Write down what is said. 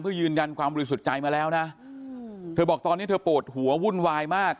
เพื่อยืนยันความบริสุทธิ์ใจมาแล้วนะเธอบอกตอนนี้เธอปวดหัววุ่นวายมาก